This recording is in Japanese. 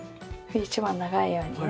一番長いようにね。